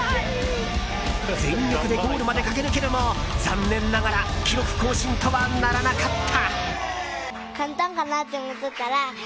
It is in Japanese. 全力でゴールまで駆け抜けるも残念ながら記録更新とはならなかった。